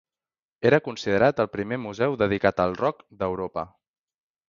Era considerat el primer museu dedicat al rock d'Europa.